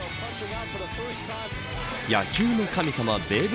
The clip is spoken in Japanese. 野球の神様ベーブ・・